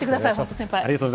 先輩！